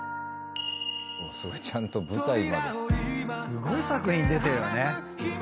すごい作品出てるよね。